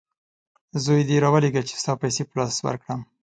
زوی دي راولېږه چې ستا پیسې په لاس ورکړم!